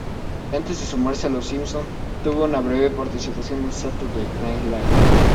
Antes de sumarse a "Los Simpson", tuvo una breve participación en "Saturday Night Live".